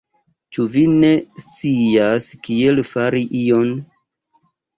Ĉu vi ne scias kiel fari ion?